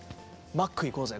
「マック行こうぜ」と。